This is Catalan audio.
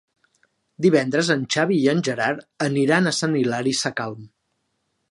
Divendres en Xavi i en Gerard aniran a Sant Hilari Sacalm.